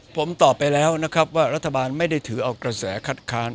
ผมตอบไปแล้วนะครับว่ารัฐบาลไม่ได้ถือเอากระแสคัดค้าน